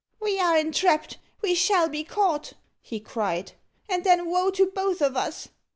"We are entrapped we shall be caught," he cried, "and then woe to both of us.